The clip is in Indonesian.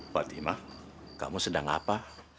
patimah kamu sedang apa